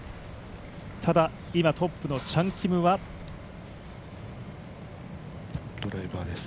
ただ、今トップのチャン・キムはドライバーです。